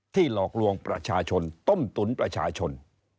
หลอกลวงประชาชนต้มตุ๋นประชาชน